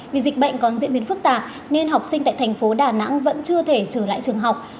vì dịch bệnh còn diễn biến phức tạp nên học sinh tại thành phố đà nẵng vẫn chưa thể trở lại trường học